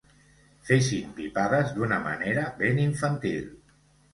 Fessin pipades d'una manera ben infantil.